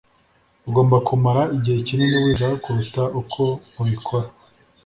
ugomba kumara igihe kinini wiga kuruta uko ubikora